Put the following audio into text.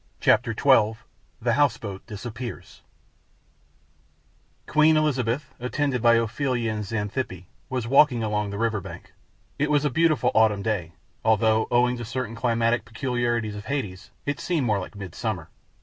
CHAPTER XII: THE HOUSE BOAT DISAPPEARS Queen Elizabeth, attended by Ophelia and Xanthippe, was walking along the river bank. It was a beautiful autumn day, although, owing to certain climatic peculiarities of Hades, it seemed more like midsummer.